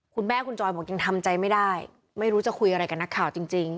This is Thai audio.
คุณแม่คุณจอยบอกยังทำใจไม่ได้ไม่รู้จะคุยอะไรกับนักข่าวจริง